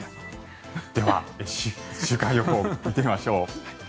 では週間予報を見てみましょう。